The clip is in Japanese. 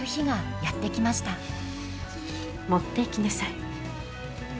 持っていきなさい。